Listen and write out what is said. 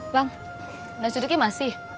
bang nasi duduknya masih